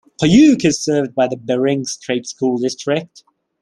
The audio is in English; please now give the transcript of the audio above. Koyuk is served by the Bering Strait School District.